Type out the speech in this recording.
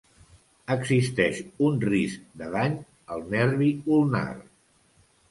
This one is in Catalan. Existeix un risc de dany al nervi ulnar.